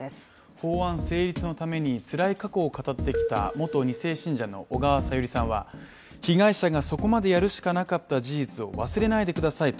法案成立のためにつらい過去を語ってきた元２世信者の小川さゆりさんは被害者がそこまでやるしかなかった事実を忘れないでくださいと